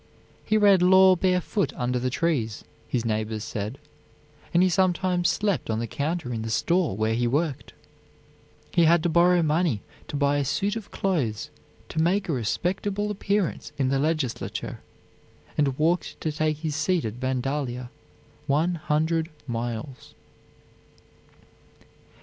He read law barefoot under the trees, his neighbors said, and he sometimes slept on the counter in the store where he worked. He had to borrow money to buy a suit of clothes to make a respectable appearance in the legislature, and walked to take his seat at Vandalia, one hundred miles.